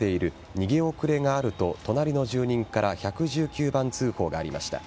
逃げ遅れがあると隣の住人から１１９番通報がありました。